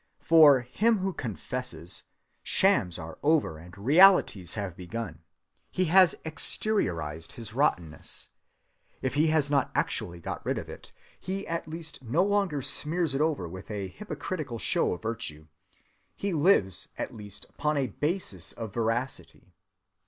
For him who confesses, shams are over and realities have begun; he has exteriorized his rottenness. If he has not actually got rid of it, he at least no longer smears it over with a hypocritical show of virtue—he lives at least upon a basis of veracity.